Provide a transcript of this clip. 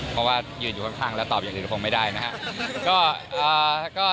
เพราะว่ายืนอยู่ข้างแล้วตอบอย่างอื่นคงไม่ได้นะครับ